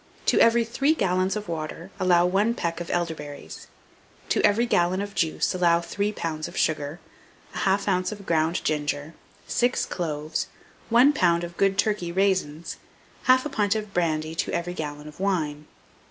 To every 3 gallons of water allow 1 peck of elderberries; to every gallon of juice allow 3 lbs. of sugar, 1/2 oz. of ground ginger, 6 cloves, 1 lb. of good Turkey raisins; 1/2 pint of brandy to every gallon of wine.